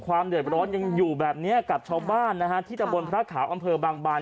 ความเดือดร้อนยังอยู่แบบเนี้ยกับชาวบ้านนะฮะที่ตำบลพระขาวอำเภอบางบาน